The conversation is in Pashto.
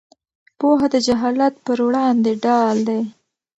پوهه د جهالت پر وړاندې ډال دی.